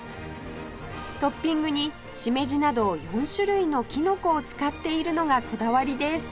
トッピングにシメジなど４種類のキノコを使っているのがこだわりです